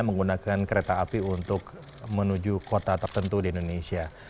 menggunakan kereta api untuk menuju kota tertentu di indonesia